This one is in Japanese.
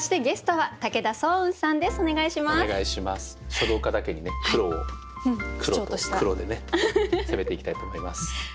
書道家だけにね黒を黒と黒でね攻めていきたいと思います。